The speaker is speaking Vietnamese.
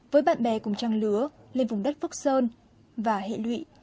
với bạn bè cùng trang lứa lên vùng đất phước sơn và hệ lụy